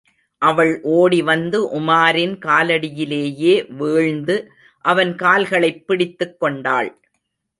அவள் ஓடிவந்து உமாரின் காலடியிலேயே வீழ்ந்து, அவன் கால்களைப் பிடித்துக் கொண்டாள்.